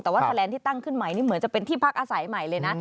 แต่ว่าแลนด์ที่ตั้งขึ้นใหม่นี่เหมือนจะเป็นที่พักอาศัยใหม่เลยนะ